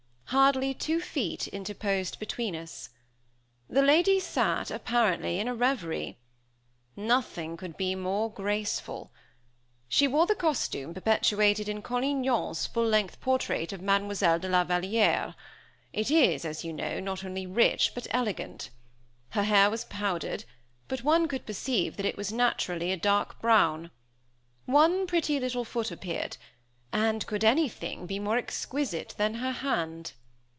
Hardly two feet interposed between us. The lady sat apparently in a reverie. Nothing could be more graceful. She wore the costume perpetuated in Collignan's full length portrait of Mademoiselle de la Valière. It is, as you know, not only rich, but elegant. Her hair was powdered, but one could perceive that it was naturally a dark brown. One pretty little foot appeared, and could anything be more exquisite than her hand?